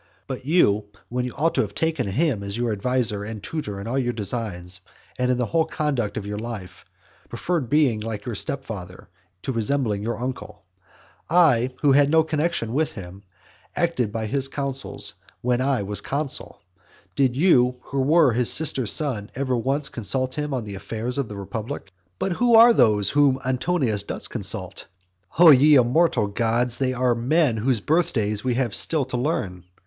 But you, when you ought to have taken him as your adviser and tutor in all your designs, and in the whole conduct of your life, preferred being like your stepfather to resembling your uncle. I, who had no connexion with him, acted by his counsels while I was consul. Did you, who were his sister's son, ever once consult him on the affairs of the republic? But who are they whom Antonius does consult? O ye immortal gods, they are men whose birthdays we have still to learn.